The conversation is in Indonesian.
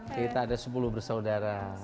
kita ada sepuluh bersaudara